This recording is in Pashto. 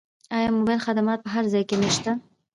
آیا موبایل خدمات په هر ځای کې نشته؟